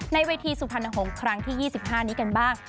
ในเวทีสุพรรณหงษ์ครั้งที่๒๕นี้กันบ้าง